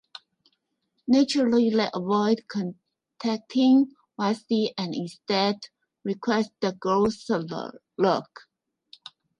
Naturally, they avoid contacting Wesley and instead request the Groosalugg.